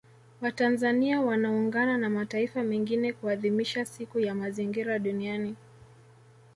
Watanzania wanaungana na mataifa mengine kuadhimisha Siku ya Mazingira Duniani